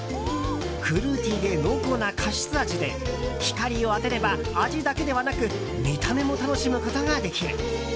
フルーティーで濃厚なカシス味で光を当てれば、味だけではなく見た目も楽しむことができる。